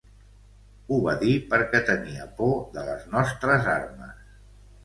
Ho va dir perquè tenia por de les nostres armes.